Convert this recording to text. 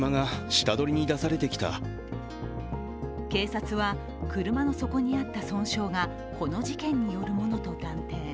警察は、車の底にあった損傷がこの事件によるものと断定。